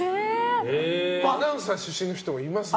アナウンサー出身の人もいますもんね。